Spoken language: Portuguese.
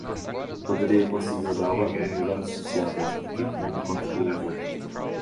poderia considerá-la um lugar de sociáveis, porque aqui me encontro com outros.